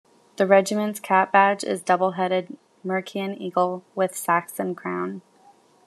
The regiment's cap badge is a double headed Mercian Eagle with Saxon crown.